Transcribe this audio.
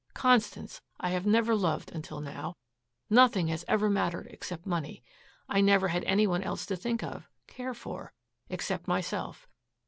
Constance, I have never loved until now. Nothing has ever mattered except money. I never had any one else to think of, care for, except myself.